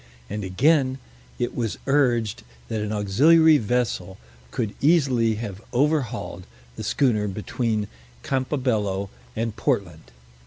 And, again, it was urged that an auxiliary vessel could easily have overhauled the schooner between Campabello and Portland.